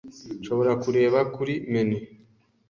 Nshobora kureba kuri menu?